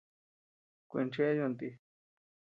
Kuincheʼed yuntu ti.